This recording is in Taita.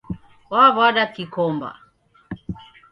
Waw'ada kikomba